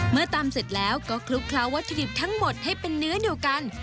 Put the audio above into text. เมื่อตำเสร็จแล้วก็คลุกเคล้าวัตถุดิบทั้งหมดให้เป็นเนื้อเดียวกัน